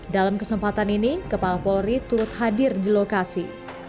dalam kesempatan ini kepala polri turut hadir di lokasi